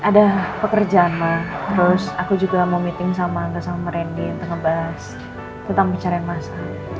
ada pekerjaan mbak terus aku juga mau meeting sama angga sama randy untuk ngebahas tentang percaraan masa